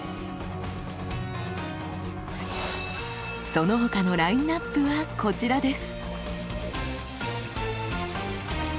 その他のラインナップはこちらです。